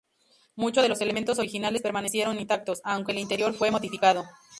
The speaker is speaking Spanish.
Mucho de los elementos originales permanecieron intactos, aunque el interior fue modificado.